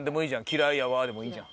「嫌いやわぁ」でもいいじゃん。